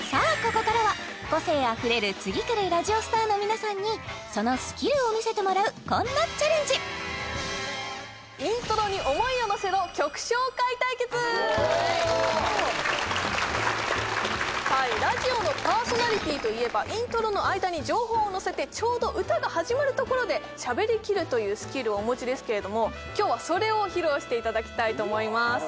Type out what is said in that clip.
ここからは個性あふれる次くるラジオスターの皆さんにそのスキルを見せてもらうこんなチャレンジラジオのパーソナリティーといえばイントロの間に情報を乗せてちょうど歌が始まるところでしゃべり切るというスキルをお持ちですけれども今日はそれを披露していただきたいと思います